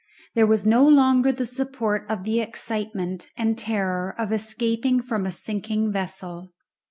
There was no longer the support of the excitement and terror of escaping from a sinking vessel.